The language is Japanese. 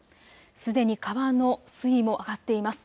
すでに川の水位も上がっています。